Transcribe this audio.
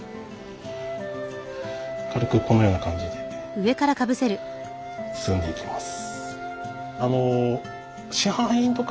軽くこのような感じで包んでいきます。